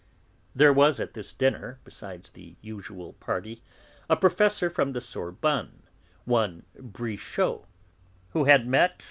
There was, at this dinner, besides the usual party, a professor from the Sorbonne, one Brichot, who had met M.